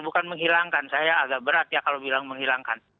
bukan menghilangkan saya agak berat ya kalau bilang menghilangkan